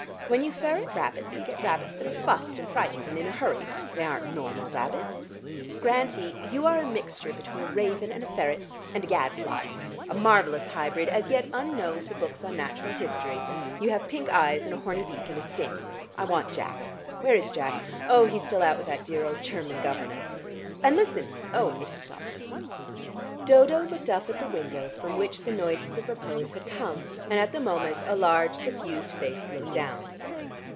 When you ferret rabbits, you get rabbits that are fussed and frightened and in a hurry; they aren't normal rabbits. Grantie, you are a mixture between a raven and a ferret and a gadfly a marvellous hybrid, as yet unknown to books on natural history. You have pink eyes, and a horny beak and a sting. I want Jack. Where is Jack? Oh, he's still out with that dear old Cherman governess. And listen oh, it has stopped!" Dodo looked up at the window from which the noises of repose had come, and at the moment a large suffused face looked down.